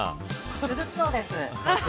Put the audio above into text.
続くそうです。